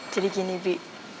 jadi gini bi